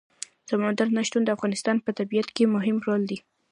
سمندر نه شتون د افغانستان په طبیعت کې مهم رول لري.